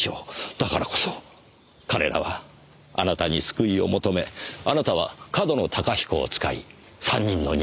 だからこそ彼らはあなたに救いを求めあなたは上遠野隆彦を使い３人の人間を殺させた。